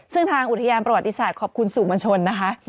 ซึ่งทางอุทยานประวัติศาสตร์ขอบคุณสู่มวลชนนะคะ